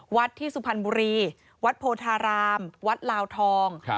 ที่สุพรรณบุรีวัดโพธารามวัดลาวทอง